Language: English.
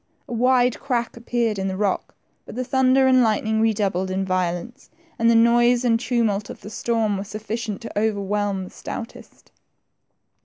A wide crack appeared in the rock, but the thunder and lightning redoubled in violence, and the noise and tumult of the storm were sufficient to overwhelm tl^e stoutest.